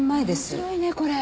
面白いねこれ。